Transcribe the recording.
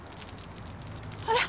あら？